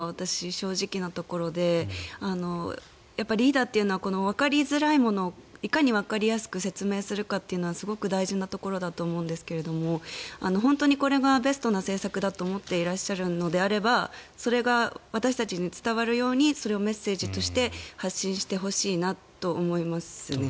やっぱり今回の政策を見てわかりづらいというのが私、正直なところでリーダーっていうのはわかりづらいものをいかにわかりやすく説明するかというのはすごく大事なところだと思うんですけども本当にこれがベストな政策だと思っていらっしゃるのであればそれが私たちに伝わるようにそれをメッセージとして発信してほしいと思いますね。